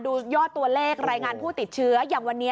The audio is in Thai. ยอดตัวเลขรายงานผู้ติดเชื้ออย่างวันนี้